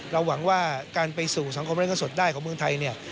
เราหวังว่าการไปสู่สังคมบริเวณเงินสดได้ของเมืองไทย